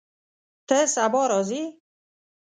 ته سبا راځې؟